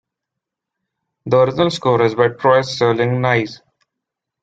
The original score is by Troy Sterling Nies.